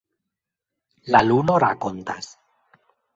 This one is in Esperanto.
La luno rakontas.